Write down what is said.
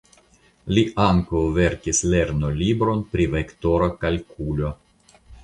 Li ankaŭ verkis lernolibron pri vektora kalkulo.